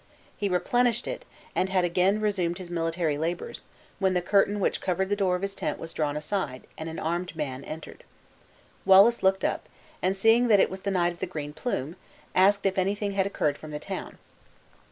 He replenished it and had again resumed his military labors, when the curtain which covered the door of his tent was drawn aside, and an armed man entered. Wallace looked up, and seeing that it was the Knight of the Green Plume, asked if anything had occurred from the town.